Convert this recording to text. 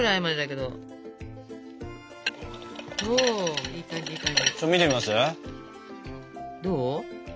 どう？